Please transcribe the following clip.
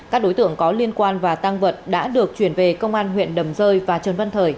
các đối tượng có liên quan và tăng vật đã được chuyển về công an huyện đầm rơi và trần văn thời